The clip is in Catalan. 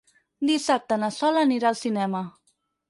Dissabte na Sol anirà al cinema.